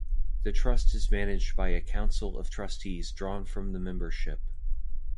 The Trust is managed by a council of trustees drawn from the membership.